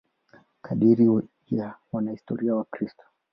Kadiri ya wanahistoria Wakristo.